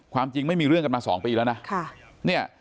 จริงไม่มีเรื่องกันมา๒ปีแล้วนะ